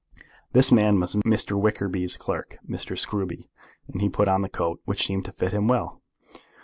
This man was Mr. Wickerby's clerk, Mr. Scruby, and he put on the coat, which seemed to fit him well.